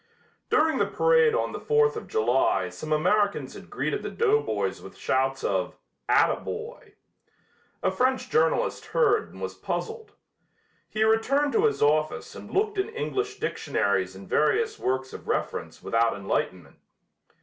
During the parade on the Fourth of July some Americans had greeted the doughboys with shouts of "ataboy." A French journalist heard and was puzzled. He returned to his office and looked in English dictionaries and various works of reference without enlightenment.